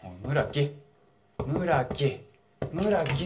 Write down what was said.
木村木村木！